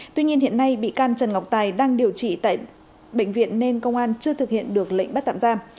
tuy nhiên hiện nay bị can trần ngọc tài đang điều trị tại bệnh viện nên công an chưa thực hiện được lệnh bắt tạm giam